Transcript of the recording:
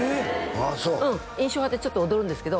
ああそううん「印象派」ってちょっと踊るんですけど